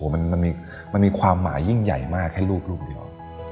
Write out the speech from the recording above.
มันมีความหมายยิ่งใหญ่มากแค่รูปเดียว